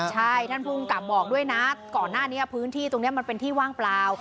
ใช่ท่านภูมิกับบอกด้วยนะก่อนหน้านี้พื้นที่ตรงนี้มันเป็นที่ว่างเปล่า